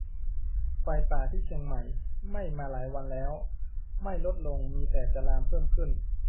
ไฟป่าที่เชียงใหม่ไหม้มาหลายวันแล้ว ไม่ลดลง มีแต่จะลามเพิ่มขึ้น